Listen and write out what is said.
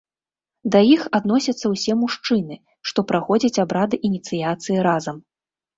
Да іх адносяцца ўсе мужчыны, што праходзяць абрады ініцыяцыі разам.